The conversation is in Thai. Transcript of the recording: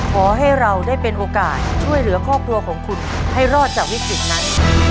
ขอให้เราได้เป็นโอกาสช่วยเหลือครอบครัวของคุณให้รอดจากวิกฤตนั้น